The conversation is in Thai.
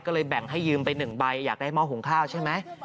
ก็เลยแบ่งให้ยืมไป๑ใบอยากได้หม้อหุงข้าวใช่ไหม